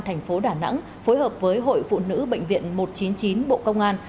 thành phố đà nẵng phối hợp với hội phụ nữ bệnh viện một trăm chín mươi chín bộ công an